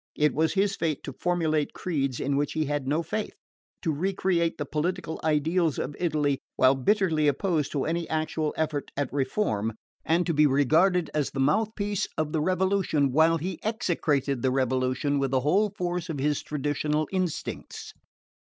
It was his fate to formulate creeds in which he had no faith: to recreate the political ideals of Italy while bitterly opposed to any actual effort at reform, and to be regarded as the mouthpiece of the Revolution while he execrated the Revolution with the whole force of his traditional instincts.